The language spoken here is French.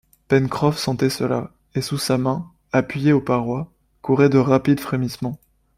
Pencroff sentait cela, et sous sa main, appuyée aux parois, couraient de rapides frémissements.